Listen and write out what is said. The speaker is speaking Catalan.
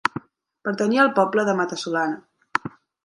Pertanyia al poble de Mata-solana.